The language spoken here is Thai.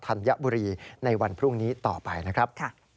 ธัญบุรีในวันพรุ่งนี้ต่อไปนะครับ